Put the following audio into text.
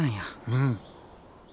うん。